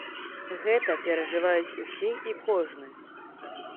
Гэта перажываюць усе і кожны.